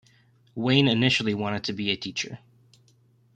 Wane initially wanted to be a teacher.